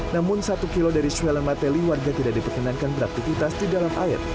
namun satu km dari swellenmatteli warga tidak diperkenankan beraktifitas di dalam air